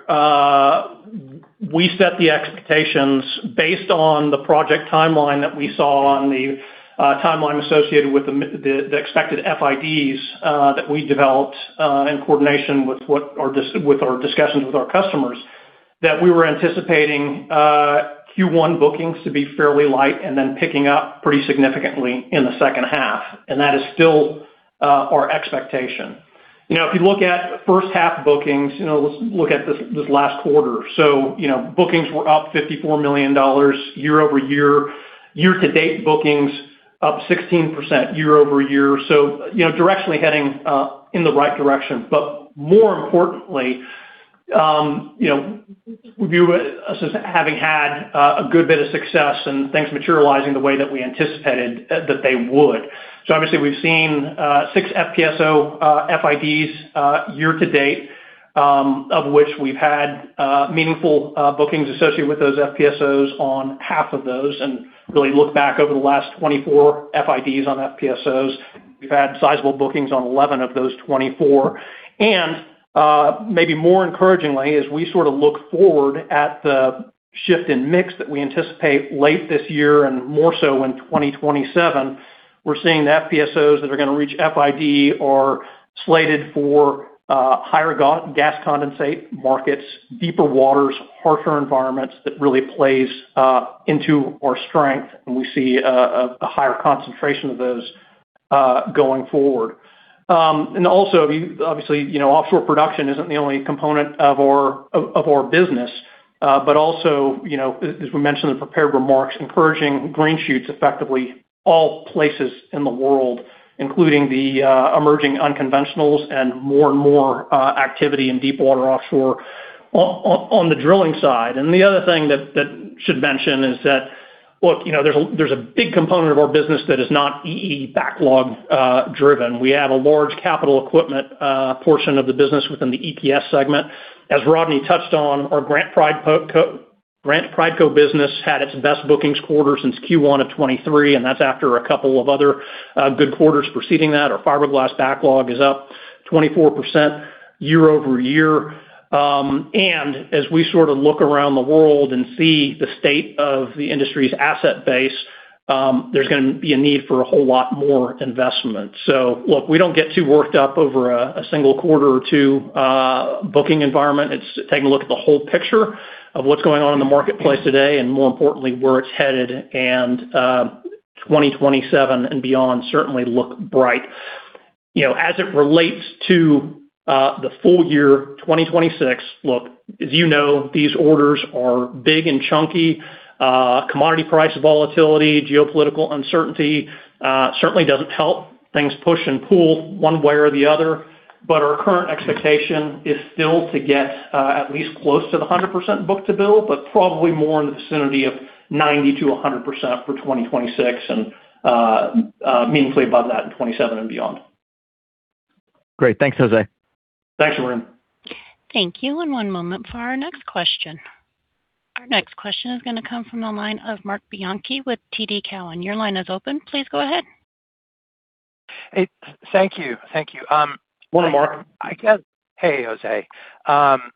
we set the expectations based on the project timeline that we saw and the timeline associated with the expected FIDs that we developed in coordination with our discussions with our customers, that we were anticipating Q1 bookings to be fairly light and then picking up pretty significantly in the second half, and that is still our expectation. If you look at first half bookings, let's look at this last quarter. Bookings were up $54 million year-over-year. Year-to-date bookings up 16% year-over-year. Directionally heading in the right direction. More importantly, view us as having had a good bit of success and things materializing the way that we anticipated that they would. We've seen six FPSO FIDs year-to-date, of which we've had meaningful bookings associated with those FPSOs on half of those, and really look back over the last 24 FIDs on FPSOs. We've had sizable bookings on 11 of those 24. Maybe more encouragingly, as we sort of look forward at the shift in mix that we anticipate late this year and more so in 2027, we're seeing the FPSOs that are going to reach FID are slated for higher gas condensate markets, deeper waters, harsher environments. That really plays into our strength, and we see a higher concentration of those going forward. Offshore production isn't the only component of our business. As we mentioned in the prepared remarks, encouraging green shoots effectively all places in the world, including the emerging unconventionals and more and more activity in deep water offshore on the drilling side. The other thing that I should mention is that, there's a big component of our business that is not EE backlog driven. We have a large capital equipment portion of the business within the EPS segment. As Rodney touched on, our Grant Prideco business had its best bookings quarter since Q1 of 2023, and that's after a couple of other good quarters preceding that. Our fiberglass backlog is up 24% year-over-year. As we sort of look around the world and see the state of the industry's asset base, there's going to be a need for a whole lot more investment. We don't get too worked up over a single quarter or two booking environment. It's taking a look at the whole picture of what's going on in the marketplace today, and more importantly, where it's headed, and 2027 and beyond certainly look bright. As it relates to the full year 2026, as you know, these orders are big and chunky. Commodity price volatility, geopolitical uncertainty, certainly doesn't help things push and pull one way or the other. Our current expectation is still to get at least close to the 100% book-to-bill, but probably more in the vicinity of 90%-100% for 2026 and meaningfully above that in 2027 and beyond. Great. Thanks, Jose. Thanks, Arun. Thank you. One moment for our next question. Our next question is going to come from the line of Marc Bianchi with TD Cowen. Your line is open. Please go ahead. Hey, thank you. Morning, Marc. Hey, Jose. On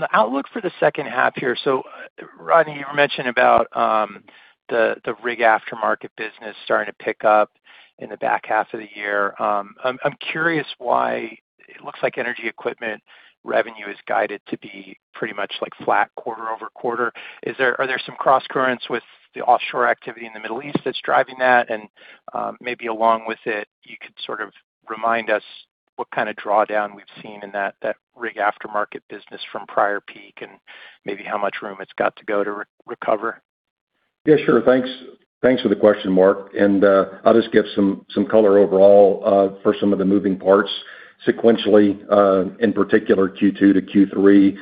the outlook for the second half here, Rodney, you were mentioning about the rig aftermarket business starting to pick up in the back half of the year. I'm curious why it looks like Energy Equipment revenue is guided to be pretty much like flat quarter-over-quarter. Are there some cross currents with the offshore activity in the Middle East that's driving that? Maybe along with it, you could sort of remind us what kind of drawdown we've seen in that rig aftermarket business from prior peak and maybe how much room it's got to go to recover. Yeah, sure. Thanks for the question, Marc, I'll just give some color overall for some of the moving parts sequentially, in particular Q2 to Q3.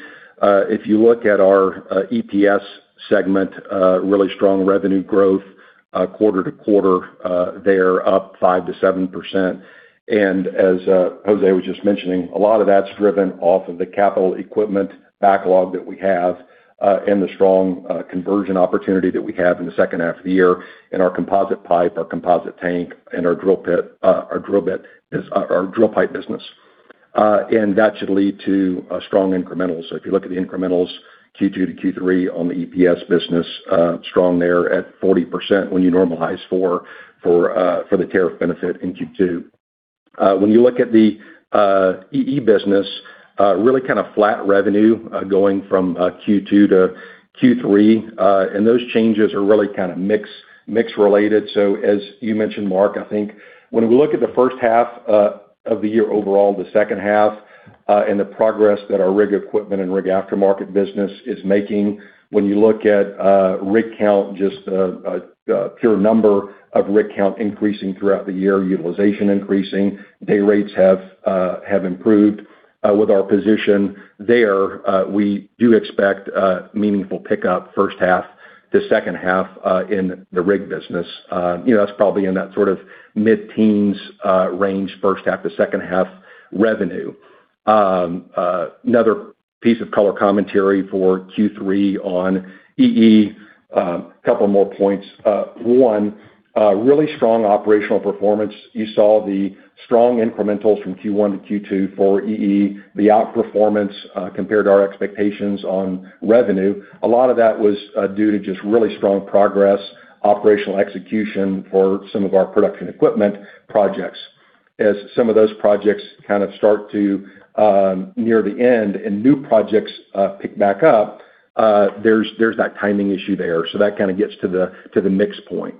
If you look at our EPS segment, really strong revenue growth, quarter-to-quarter, they're up 5%-7%. As Jose was just mentioning, a lot of that's driven off of the capital equipment backlog that we have and the strong conversion opportunity that we have in the second half of the year in our composite pipe, our composite tank, and our drill pipe business. That should lead to strong incrementals. If you look at the incrementals, Q2 to Q3 on the EPS business, strong there at 40% when you normalize for the tariff benefit in Q2. When you look at the EE business, really kind of flat revenue going from Q2 to Q3. Those changes are really kind of mix-related. As you mentioned, Marc, I think when we look at the first half of the year overall, the second half, and the progress that our rig equipment and rig aftermarket business is making, when you look at rig count, just a pure number of rig count increasing throughout the year, utilization increasing, day rates have improved. With our position there, we do expect meaningful pickup first half to second half in the rig business. That's probably in that sort of mid-teens range, first half to second half revenue. Another piece of color commentary for Q3 on EE, couple more points. One, really strong operational performance. You saw the strong incrementals from Q1 to Q2 for EE, the outperformance compared to our expectations on revenue. A lot of that was due to just really strong progress, operational execution for some of our production equipment projects. As some of those projects kind of start to near the end and new projects pick back up, there's that timing issue there. That kind of gets to the mix point.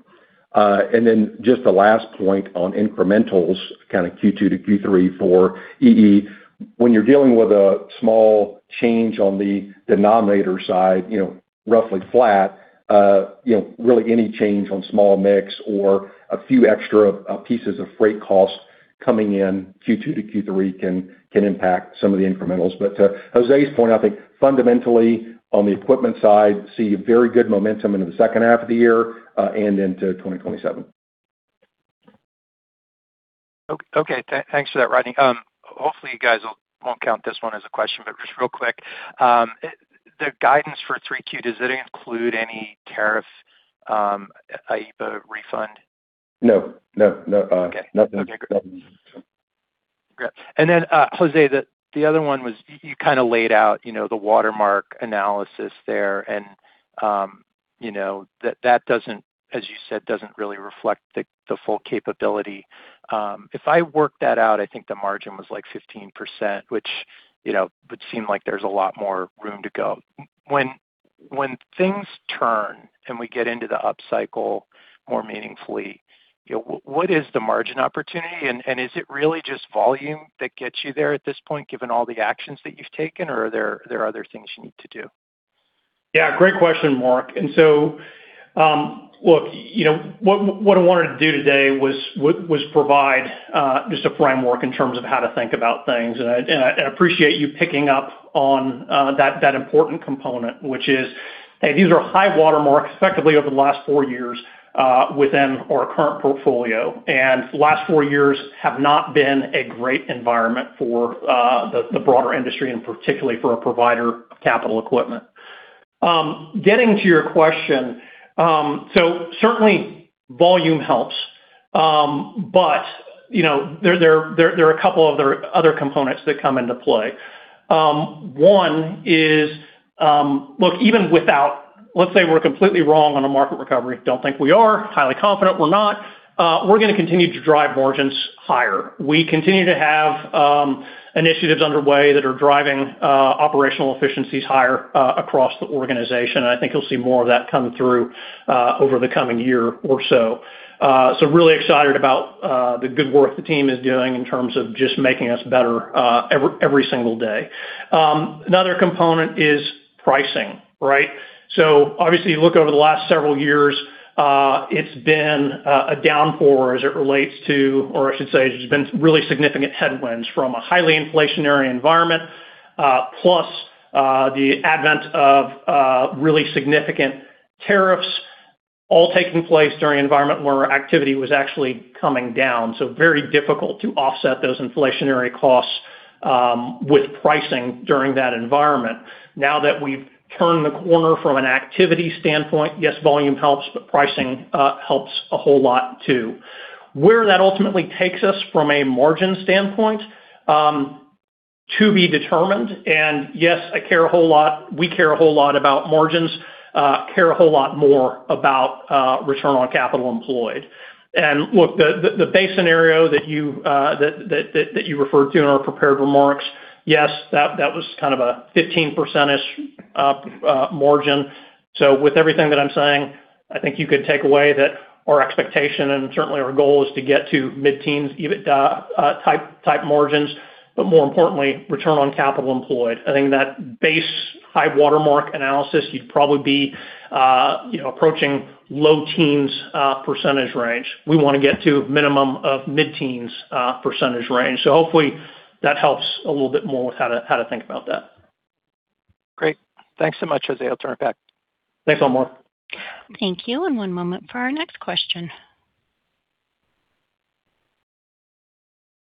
Just the last point on incrementals, kind of Q2 to Q3 for EE. When you're dealing with a small change on the denominator side, roughly flat, really any change on small mix or a few extra pieces of freight cost coming in Q2 to Q3 can impact some of the incrementals. To Jose's point, I think fundamentally on the equipment side, see very good momentum into the second half of the year, and into 2027. Okay, thanks for that, Rodney. Hopefully you guys won't count this one as a question, just real quick, the guidance for 3Q, does that include any tariff IEEPA refund? No. Okay, great. Jose, the other one was you kind of laid out the watermark analysis there, and that, as you said, doesn't really reflect the full capability. If I worked that out, I think the margin was like 15%, which would seem like there's a lot more room to go. When things turn and we get into the upcycle more meaningfully, what is the margin opportunity? Is it really just volume that gets you there at this point, given all the actions that you've taken, or are there other things you need to do? Yeah, great question, Marc. Look, what I wanted to do today was provide just a framework in terms of how to think about things, and I appreciate you picking up on that important component, which is, hey, these are high water marks effectively over the last four years, within our current portfolio. The last four years have not been a great environment for the broader industry and particularly for a provider of capital equipment. Getting to your question, certainly volume helps. There are a couple of other components that come into play. One is, even without Let's say we're completely wrong on a market recovery. Don't think we are. Highly confident we're not. We're going to continue to drive margins higher. We continue to have initiatives underway that are driving operational efficiencies higher across the organization. I think you'll see more of that come through over the coming year or so. Really excited about the good work the team is doing in terms of just making us better every single day. Another component is pricing, right? Obviously, you look over the last several years, it's been a downpour as it relates to, or I should say, there's been really significant headwinds from a highly inflationary environment, plus the advent of really significant tariffs, all taking place during an environment where activity was actually coming down. Very difficult to offset those inflationary costs with pricing during that environment. Now that we've turned the corner from an activity standpoint, yes, volume helps, but pricing helps a whole lot, too. Where that ultimately takes us from a margin standpoint, to be determined. Yes, I care a whole lot, we care a whole lot about margins. Care a whole lot more about return on capital employed. Look, the base scenario that you referred to in our prepared remarks, yes, that was kind of a 15%-ish margin. With everything that I'm saying, I think you could take away that our expectation, and certainly our goal, is to get to mid-teens EBIT type margins, but more importantly, return on capital employed. I think that base high-water mark analysis, you'd probably be approaching low teens percentage range. We want to get to a minimum of mid-teens percentage range. Hopefully that helps a little bit more with how to think about that. Great. Thanks so much, Jose. I'll turn it back. Thank you, Marc. Thank you. One moment for our next question.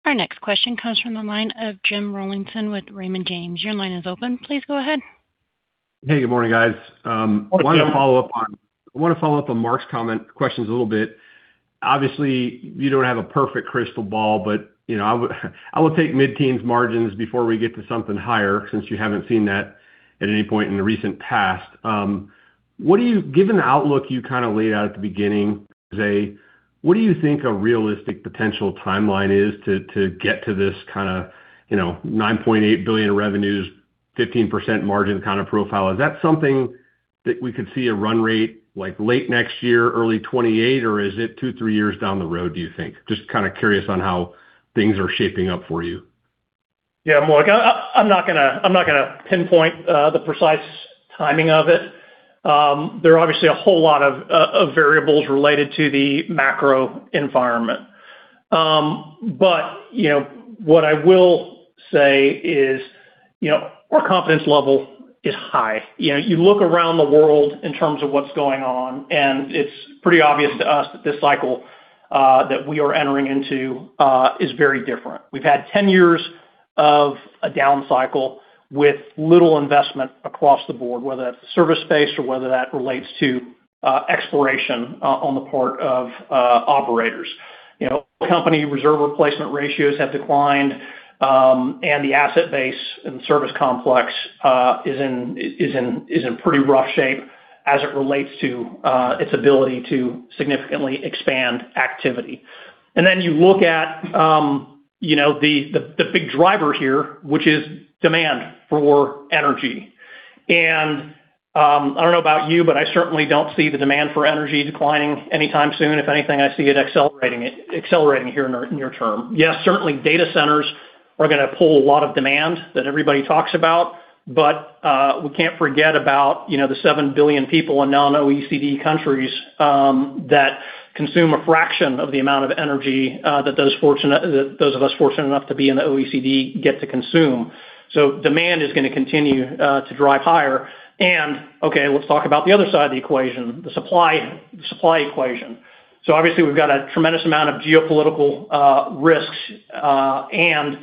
Our next question comes from the line of Jim Rollyson with Raymond James. Your line is open. Please go ahead. Hey, good morning, guys. Morning. I want to follow up on Marc's questions a little bit. Obviously, you don't have a perfect crystal ball, I will take mid-teens margins before we get to something higher, since you haven't seen that at any point in the recent past. Given the outlook you kind of laid out at the beginning, Jose, what do you think a realistic potential timeline is to get to this kind of $9.8 billion revenues, 15% margin kind of profile? Is that something that we could see a run rate late next year, early 2028, or is it two, three years down the road, do you think? Just kind of curious on how things are shaping up for you. Jim, I'm not going to pinpoint the precise timing of it. There are obviously a whole lot of variables related to the macro environment. What I will say is our confidence level is high. You look around the world in terms of what's going on, it's pretty obvious to us that this cycle that we are entering into is very different. We've had 10 years of a down cycle with little investment across the board, whether that's service-based or whether that relates to exploration on the part of operators. Oil company reserve replacement ratios have declined, the asset base and service complex is in pretty rough shape as it relates to its ability to significantly expand activity. You look at the big driver here, which is demand for energy. I don't know about you, but I certainly don't see the demand for energy declining anytime soon. If anything, I see it accelerating here near-term. Certainly data centers are going to pull a lot of demand that everybody talks about, but we can't forget about the 7 billion people in non-OECD countries that consume a fraction of the amount of energy that those of us fortunate enough to be in the OECD get to consume. Demand is going to continue to drive higher. Okay, let's talk about the other side of the equation, the supply equation. Obviously, we've got a tremendous amount of geopolitical risks, and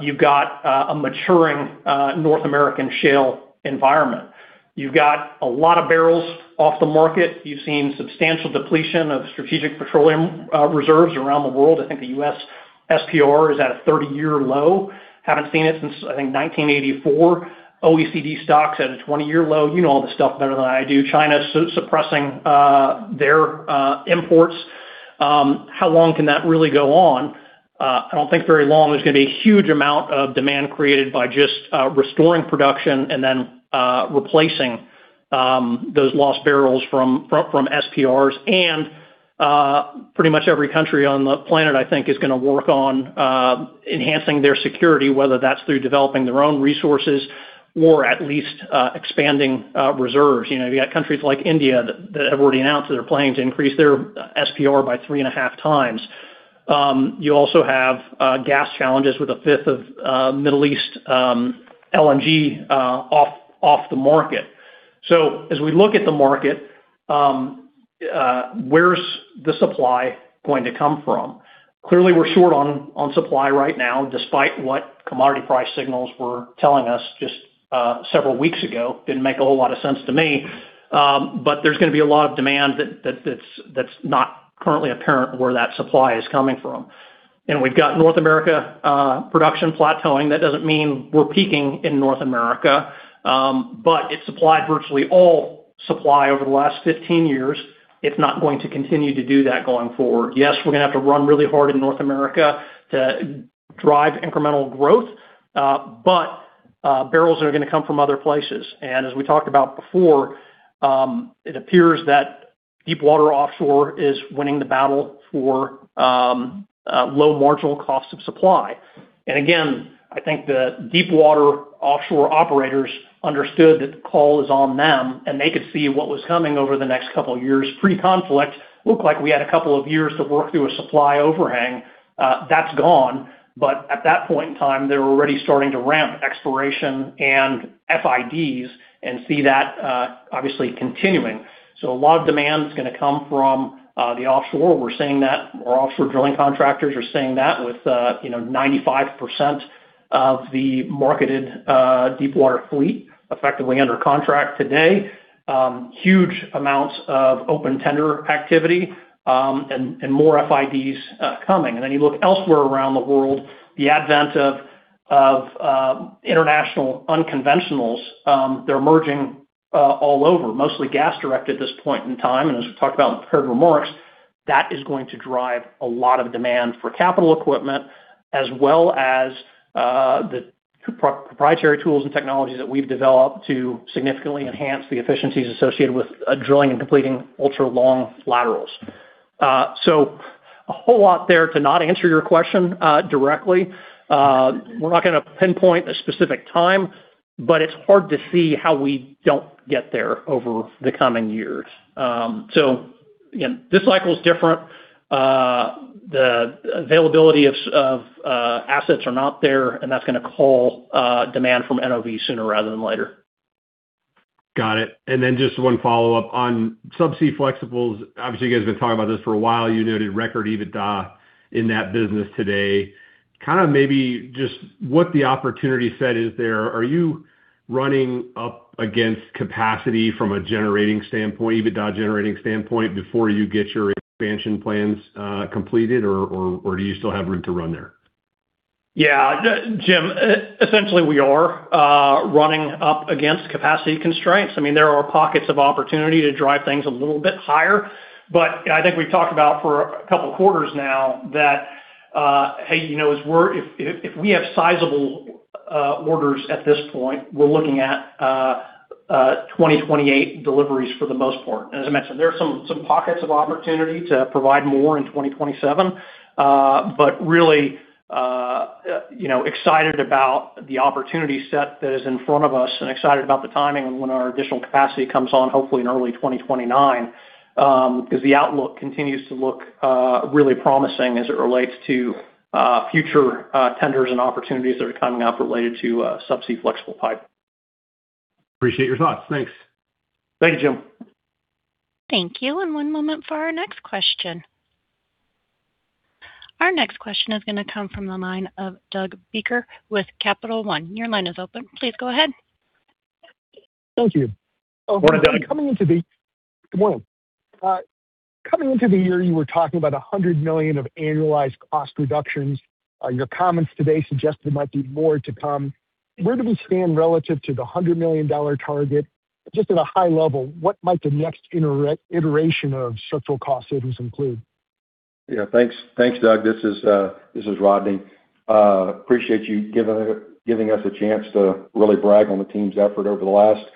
you've got a maturing North American shale environment. You've got a lot of barrels off the market. You've seen substantial depletion of strategic petroleum reserves around the world. I think the U.S. SPR is at a 30-year low. Haven't seen it since, I think, 1984. OECD stocks at a 20-year low. You know all this stuff better than I do. China suppressing their imports. How long can that really go on? I don't think very long. There's going to be a huge amount of demand created by just restoring production and then replacing those lost barrels from SPRs. Pretty much every country on the planet, I think, is going to work on enhancing their security, whether that's through developing their own resources or at least expanding reserves. You've got countries like India that have already announced that they're planning to increase their SPR by 3.5 times. You also have gas challenges with a fifth of Middle East LNG off the market. As we look at the market, where's the supply going to come from? Clearly, we're short on supply right now, despite what commodity price signals were telling us just several weeks ago. Didn't make a whole lot of sense to me. There's going to be a lot of demand that's not currently apparent where that supply is coming from. We've got North America production plateauing. That doesn't mean we're peaking in North America, but it supplied virtually all supply over the last 15 years. It's not going to continue to do that going forward. We're going to have to run really hard in North America to drive incremental growth. Barrels are going to come from other places. As we talked about before, it appears that deepwater offshore is winning the battle for low marginal cost of supply. Again, I think the deepwater offshore operators understood that the call is on them, and they could see what was coming over the next couple of years. Pre-conflict, looked like we had a couple of years to work through a supply overhang. That's gone. At that point in time, they were already starting to ramp exploration and FIDs and see that obviously continuing. A lot of demand is going to come from the offshore. Our offshore drilling contractors are saying that with 95% of the marketed deepwater fleet effectively under contract today. Huge amounts of open tender activity, and more FIDs coming. Then you look elsewhere around the world, the advent of international unconventionals, they're emerging all over, mostly gas-directed at this point in time. As we talked about in the prepared remarks, that is going to drive a lot of demand for capital equipment as well as the proprietary tools and technologies that we've developed to significantly enhance the efficiencies associated with drilling and completing ultra-long laterals. A whole lot there to not answer your question directly. We're not going to pinpoint a specific time, but it's hard to see how we don't get there over the coming years. Again, this cycle is different. The availability of assets are not there, and that's going to call demand from NOV sooner rather than later. Got it. Just one follow-up on subsea flexibles. Obviously, you guys have been talking about this for a while. You noted record EBITDA in that business today. Kind of maybe just what the opportunity set is there? Are you running up against capacity from a generating standpoint, EBITDA generating standpoint, before you get your expansion plans completed, or do you still have room to run there? Jim, essentially, we are running up against capacity constraints. There are pockets of opportunity to drive things a little bit higher. I think we've talked about for a couple of quarters now that if we have sizable orders at this point, we're looking at 2028 deliveries for the most part. As I mentioned, there are some pockets of opportunity to provide more in 2027. Really, excited about the opportunity set that is in front of us and excited about the timing of when our additional capacity comes on, hopefully in early 2029, because the outlook continues to look really promising as it relates to future tenders and opportunities that are coming up related to subsea flexible pipe. Appreciate your thoughts. Thanks. Thank you, Jim. Thank you. One moment for our next question. Our next question is going to come from the line of Doug Becker with Capital One. Your line is open. Please go ahead. Thank you. Morning, Doug. Good morning. Coming into the year, you were talking about $100 million of annualized cost reductions. Your comments today suggest there might be more to come. Where do we stand relative to the $100 million target? At a high level, what might the next iteration of structural cost savings include? Thanks, Doug. This is Rodney. Appreciate you giving us a chance to really brag on the team's effort over the last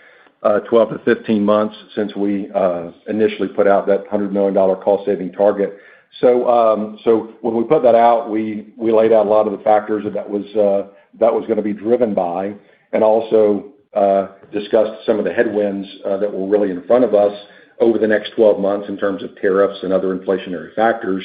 12 to 15 months since we initially put out that $100 million cost-saving target. When we put that out, we laid out a lot of the factors that was going to be driven by and also discussed some of the headwinds that were really in front of us over the next 12 months in terms of tariffs and other inflationary factors.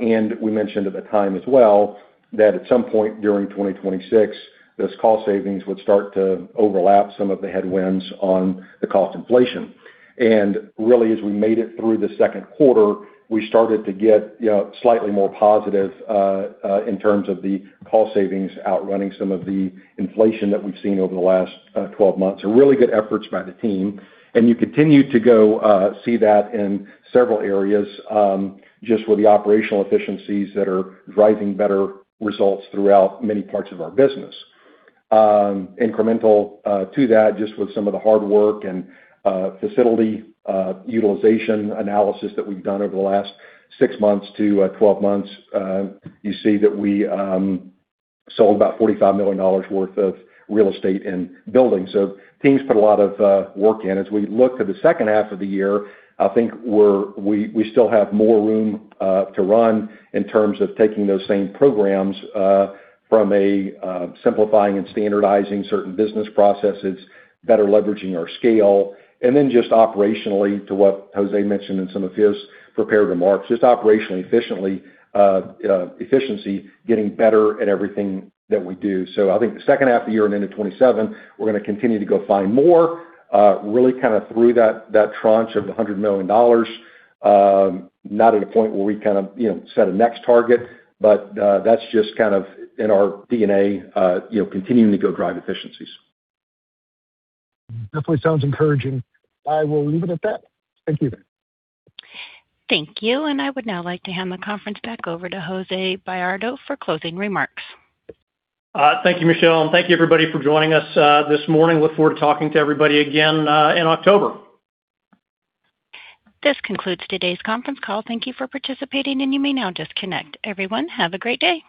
We mentioned at the time as well that at some point during 2026, those cost savings would start to overlap some of the headwinds on the cost inflation. As we made it through the second quarter, we started to get slightly more positive, in terms of the cost savings outrunning some of the inflation that we've seen over the last 12 months. Really good efforts by the team. You continue to go see that in several areas, just with the operational efficiencies that are driving better results throughout many parts of our business. Incremental to that, just with some of the hard work and facility utilization analysis that we've done over the last six months to 12 months, you see that we sold about $45 million worth of real estate and buildings. Teams put a lot of work in. As we look to the second half of the year, I think we still have more room to run in terms of taking those same programs from a simplifying and standardizing certain business processes, better leveraging our scale, and then just operationally to what Jose mentioned in some of his prepared remarks, just operationally efficiency, getting better at everything that we do. I think the second half of the year and into 2027, we're going to continue to go find more, really kind of through that tranche of the $100 million. Not at a point where we kind of set a next target, but that's just kind of in our DNA, continuing to go drive efficiencies. Definitely sounds encouraging. I will leave it at that. Thank you. Thank you. I would now like to hand the conference back over to Jose Bayardo for closing remarks. Thank you, Michelle, and thank you everybody for joining us this morning. Look forward to talking to everybody again in October. This concludes today's conference call. Thank you for participating, and you may now disconnect. Everyone, have a great day.